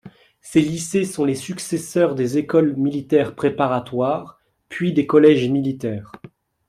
Ces lycées sont les successeurs des écoles militaires préparatoires, puis des collèges militaires.